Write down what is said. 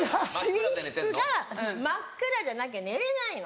寝室が真っ暗じゃなきゃ寝れないの。